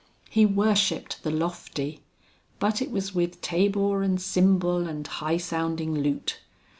He worshipped the lofty, but it was with tabor and cymbal and high sounding lute.